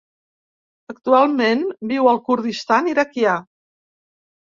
Actualment viu al Kurdistan Iraquià.